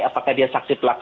apakah dia saksi pelaku